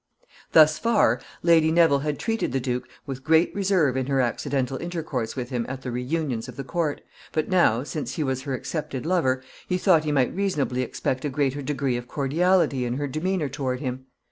] Thus far Lady Neville had treated the duke with great reserve in her accidental intercourse with him at the reunions of the court, but now, since he was her accepted lover, he thought he might reasonably expect a greater degree of cordiality in her demeanor toward him.